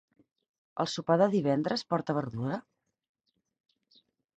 El sopar de divendres porta verdura?